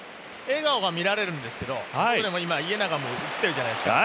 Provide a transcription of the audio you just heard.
笑顔が見られるんですけどここでも今、家長が映ってるじゃないですか。